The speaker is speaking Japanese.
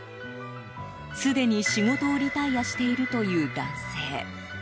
すでに仕事をリタイアしているという男性。